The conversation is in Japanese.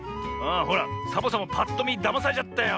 ほらサボさんもぱっとみだまされちゃったよ。